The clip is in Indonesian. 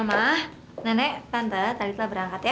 mama nenek tante tariklah berangkat ya